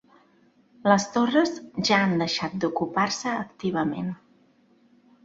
Les torres ja han deixat d'ocupar-se activament.